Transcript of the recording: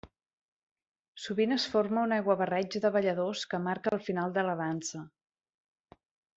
Sovint es forma un aiguabarreig de balladors que marca el final de la dansa.